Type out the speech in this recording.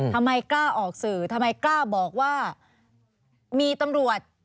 ทำไมกล้าออกสื่อทำไมกล้าบอกว่ามีตำรวจ